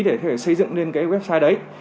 để xây dựng lên cái website đấy